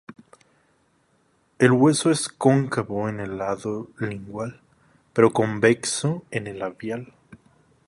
El hueso es cóncavo en el lado lingual, pero convexo en el labial.